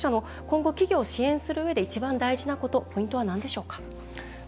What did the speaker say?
今後、企業を支援するうえで一番大事なことポイントはなんでしょうか？